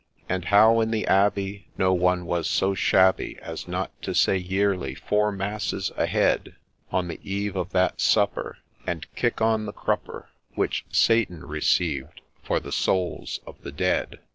And how, in the Abbey, no one was so shabby As not to say yearly four masses a head, On the eve of that supper, and kick on the crupper Which Satan received, for the souls of the dead